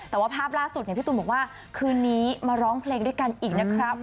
แต่ว่าภาพล่าสุดพี่ตูนบอกว่าคืนนี้มาร้องเพลงด้วยกันอีกนะครับ